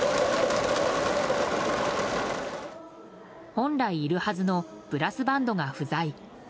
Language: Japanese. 本来いるはずのブラスバンドが不在。